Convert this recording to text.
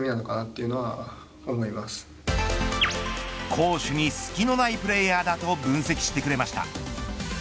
攻守に隙のないプレーヤーだと分析してくれました。